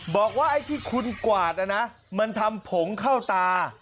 บอกว่าไอ้ที่คุณกวาดนะนะมันทำผงเข้าตา